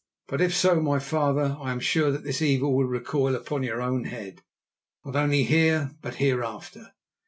But if so, my father, I am sure that this evil will recoil upon your own head, not only here, but hereafter.